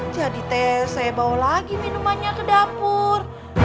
jadi teh saya bawa lagi minumannya ke dapur